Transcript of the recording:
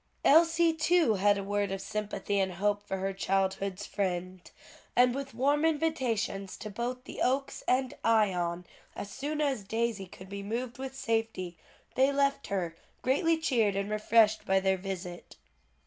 '" Elsie too had a word of sympathy and hope for her childhood's friend, and with warm invitations to both the Oaks and Ion as soon as Daisy could be moved with safety, they left her, greatly cheered and refreshed by their visit.